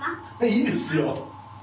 いいですよ。